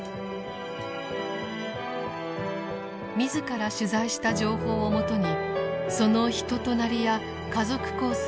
自ら取材した情報をもとにその人となりや家族構成